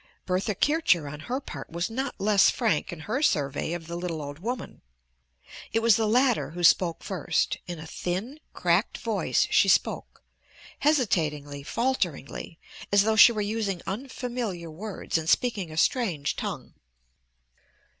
Bertha Kircher on her part was not less frank in her survey of the little old woman. It was the latter who spoke first. In a thin, cracked voice she spoke, hesitatingly, falteringly, as though she were using unfamiliar words and speaking a strange tongue.